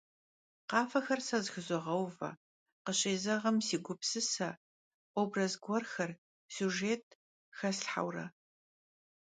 Khafexer se zexızoğeuve, khışêzeğım si gupsıse, vobraz guerxer, süjjêt xeslhheure.